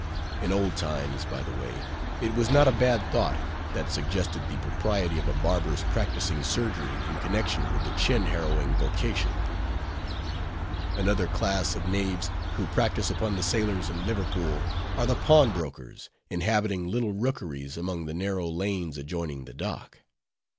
In old times, by the way, it was not a bad thought, that suggested the propriety of a barber's practicing surgery in connection with the chin harrowing vocation. Another class of knaves, who practice upon the sailors in Liverpool, are the pawnbrokers, inhabiting little rookeries among the narrow lanes adjoining the dock.